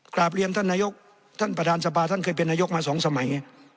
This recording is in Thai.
กราบเรียนท่านนายกท่านประธานสภาท่านเคยเป็นนายกมาสองสมัย